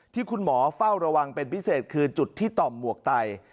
ที่คุณหมอเฝ้าระวังเป็นพิเศษคือจุดที่ต่อมหมวกไต